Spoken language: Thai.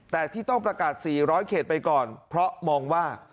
แต่ที่ต้องประกาศ๔๐๐เขตไปก่อนเพราะมองว่า